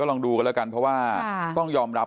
ก็ลองดูกันแล้วนะเพราะว่า